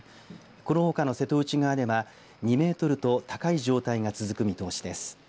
このほかの瀬戸内側では２メートルと高い状態が続く見通しです。